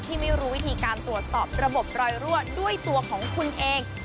ที่ไม่รู้วิธีการตรวจสอบระบบรอยรั่วด้วยตัวของคุณเอง